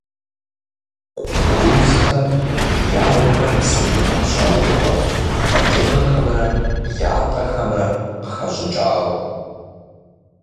Къундузхэм я гъуэхэр псы Ӏуфэм щаухуэ къэкӀыгъэхэмрэ ятӀэхэмрэ къыхэщӀыкӀауэ.